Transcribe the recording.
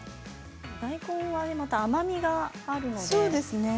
大根はまた甘みがあるので。